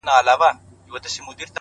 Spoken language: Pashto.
نفیب ټول ژوند د غُلامانو په رکم نیسې،